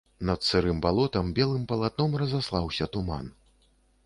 Над сырым балотам белым палатном разаслаўся туман.